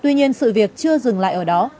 tuy nhiên sự việc chưa dừng lại ở đó